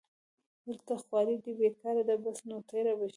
دلته خواري دې بېکاري ده بس نو تېره به شي